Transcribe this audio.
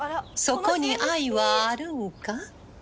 そこに愛はあるんか？」